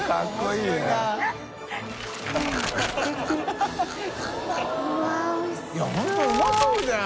いや本当うまそうじゃん。